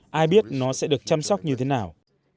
ai biết nó sẽ được chăm sóc như thế nào